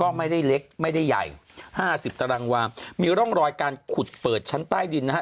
ก็ไม่ได้เล็กไม่ได้ใหญ่ห้าสิบตารางวามีร่องรอยการขุดเปิดชั้นใต้ดินนะฮะ